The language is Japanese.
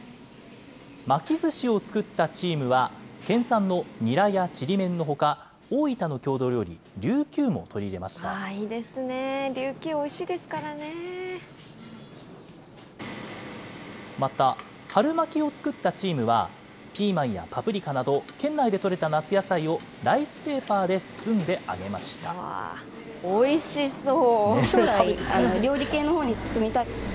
巻きずしを作ったチームは、県産のニラやちりめんのほか、大分の郷土料理、りゅうきゅうも取いいですね、りゅうきゅう、また、春巻きを作ったチームは、ピーマンやパプリカなど、県内で採れた夏野菜をライスペーパおいしそう。